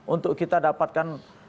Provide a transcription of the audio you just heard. untuk kita dapatkan